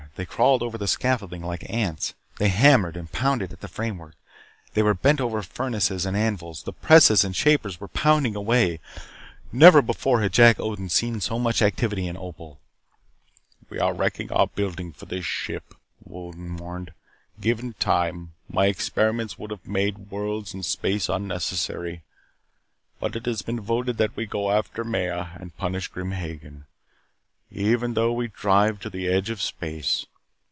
They crawled over the scaffolding like ants. They hammered and pounded at the framework. They were bent over the furnaces and the anvils. The presses and the shapers were pounding away. Never before had Jack Odin seen so much activity in Opal. "We are wrecking our buildings for this ship," Wolden mourned. "Given time, my experiments would have made worlds and space unnecessary. But it has been voted that we go after Maya and punish Grim Hagen, even though we drive to the edge of space.